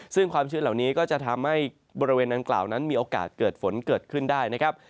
ซึ่งความชื้นเหล่านี้ก็จะทำให้บริเวณดังกล่าวนั้นมีโอกาสเกิดฝนเกิดขึ้นได้นะครับ